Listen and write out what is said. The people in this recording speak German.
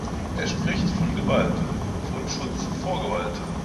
Er spricht von Gewalt, von Schutz vor Gewalt.